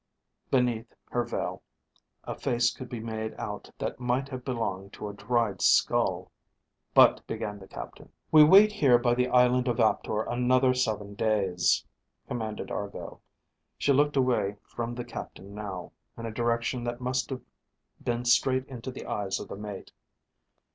Beneath, her veil, a face could be made out that might have belonged to a dried skull._ "But," began the captain. _"We wait here by the island of Aptor another seven days," commanded Argo. She looked away from the captain now, in a direction that must have been straight into the eyes of the mate.